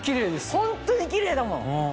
ホントにキレイだもん。